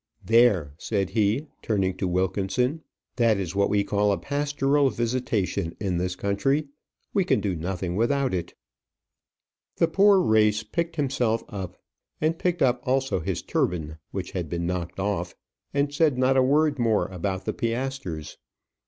"There," said he, turning to Wilkinson, "that is what we call a pastoral visitation in this country. We can do nothing without it." The poor reis picked himself up, and picked up also his turban, which had been knocked off, and said not a word more about the piastres.